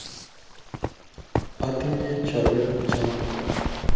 Atinye Choruet ne chama kot,